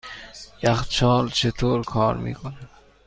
یخچال چطور کار میکند؟